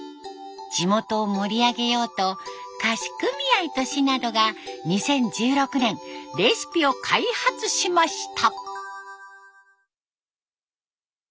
地元を盛り上げようと菓子組合と市などが２０１６年レシピを開発しました。